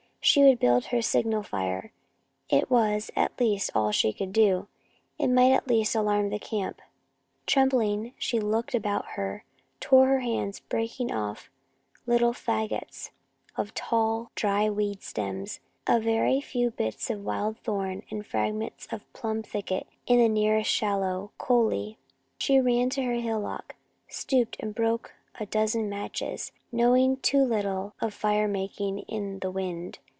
She would build her signal fire. It was, at least, all that she could do. It might at least alarm the camp. Trembling, she looked about her, tore her hands breaking off little faggots of tall dry weed stems, a very few bits of wild thorn and fragments of a plum thicket in the nearest shallow coulee. She ran to her hillock, stooped and broke a dozen matches, knowing too little of fire making in the wind.